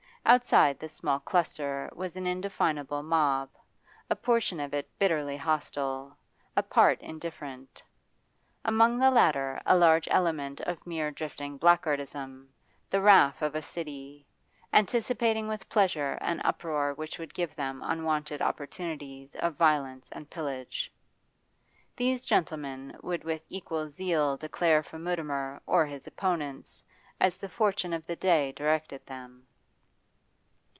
Outside this small cluster was an indefinable mob, a portion of it bitterly hostile, a part indifferent; among the latter a large element of mere drifting blackguardism, the raff of a city, anticipating with pleasure an uproar which would give them unwonted opportunities of violence and pillage. These gentle men would with equal zeal declare for Mutimer or his opponents, as the fortune of the day directed them.